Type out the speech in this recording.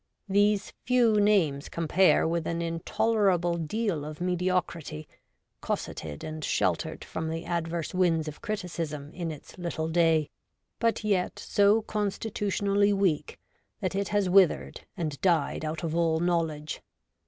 These few names compare with an intolerable deal of mediocrity, cosseted and sheltered from the adverse winds of criticism in its little day ; but yet so constitutionally weak that it has withered and died out of all knowledge.